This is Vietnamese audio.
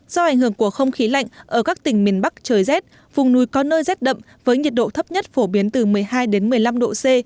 do ảnh hưởng của không khí lạnh ở các tỉnh miền bắc trời rét vùng núi có nơi rét đậm với nhiệt độ thấp nhất phổ biến từ một mươi hai một mươi năm độ c